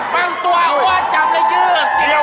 ไม่แค่นั้นพูด